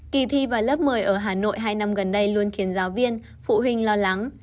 kỳ thi vào lớp một mươi ở hà nội hai năm gần đây luôn khiến giáo viên phụ huynh lo lắng